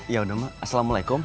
ya udah mak assalamualaikum